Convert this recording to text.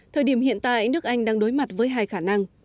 thời điểm hiện tại nước anh đang đối mặt với hai khả năng